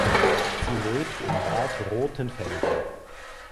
Sie lebt in Bad Rothenfelde.